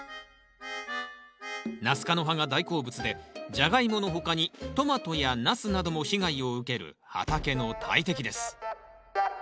ナス科の葉が大好物でジャガイモの他にトマトやナスなども被害を受ける畑の大敵です。